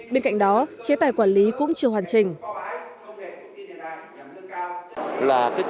bên cạnh đó chế tài quản lý cũng chưa hoàn chỉnh